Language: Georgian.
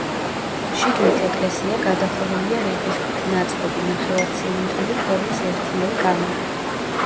შიგნით ეკლესია გადახურულია რიყის ქვით ნაწყობი, ნახევარცილინდრული ფორმის, ერთიანი კამარით.